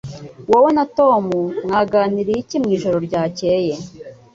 Wowe na Tom mwaganiriye iki mwijoro ryakeye